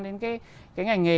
đến cái ngành nghề